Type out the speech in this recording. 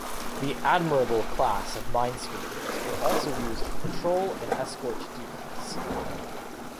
The "Admirable" class of minesweepers were also used for patrol and escort duties.